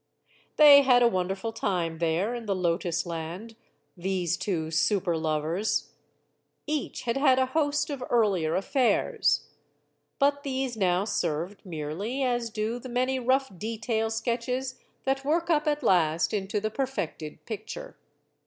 They had a wonderful time there, in the Lotus Land, these two super lovers. Each had had a host of earlier "affairs." But these now served merely as do the many rough "detail sketches" that work up at last into the perfected picture.